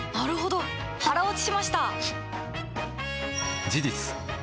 腹落ちしました！